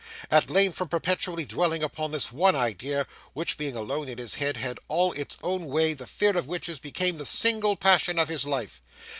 At length, from perpetually dwelling upon this one idea, which, being alone in his head, had all its own way, the fear of witches became the single passion of his life.